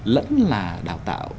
lẫn là đào tạo